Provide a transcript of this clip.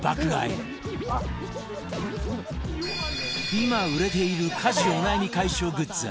今売れている家事お悩み解消グッズ